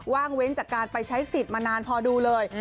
ว่างเว้นจากการไปใช้สิทธิ์มานานพอดูเลย